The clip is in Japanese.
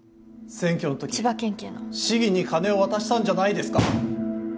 選挙のときに市議に金を渡したんじゃないですか？